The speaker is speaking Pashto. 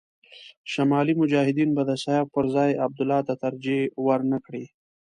شمالي مجاهدین به د سیاف پر ځای عبدالله ته ترجېح ور نه کړي.